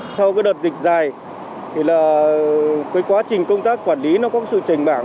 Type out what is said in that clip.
theo đợt dịch dài quá trình công tác quản lý có sự trình bảng